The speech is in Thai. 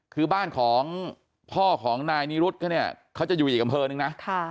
คือบ้านของพ่อของนายนิรุธเขาเนี่ยเขาจะอยู่อีกอำเภอนึงนะ